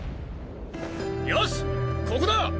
よしここだ！